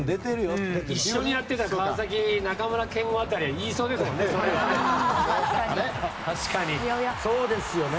一緒にやってた川崎の中村憲剛辺りはそう言いそうですよね、確かに。